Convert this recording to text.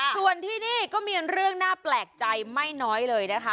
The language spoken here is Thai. ส่วนที่นี่ก็มีเรื่องน่าแปลกใจไม่น้อยเลยนะคะ